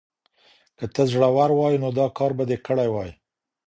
که ته زړور وای نو دا کار به دې کړی وای.